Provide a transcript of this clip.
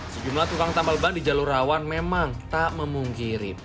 sejumlah tukang tambal ban di jalur rawan memang tak memungkiri